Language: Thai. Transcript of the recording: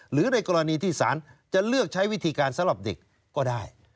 หรือในกรณีที่สารจะเลือกใช้วิธีการสำหรับเด็กก็ได้